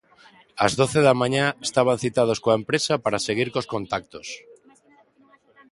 Ás doce da mañá estaban citados coa empresa para seguir cos contactos.